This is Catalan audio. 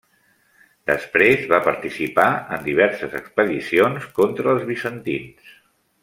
Després va participar en diverses expedicions contra els bizantins.